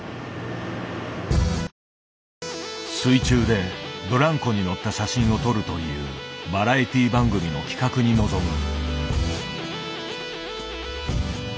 水中でブランコに乗った写真を撮るというバラエティー番組の企画に臨む。